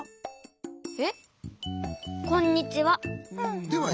えっ？こんにちは。